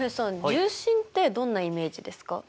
重心ってどんなイメージですか？